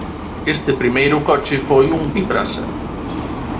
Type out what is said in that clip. Este primeiro coche foi un bipraza.